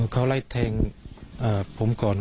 เขาไล่แทงผมก่อน